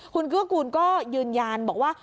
คุณเกื้อกูลก็ยืนยันบอกว่า